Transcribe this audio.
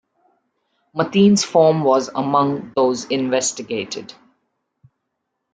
Mateen's form was among those investigated.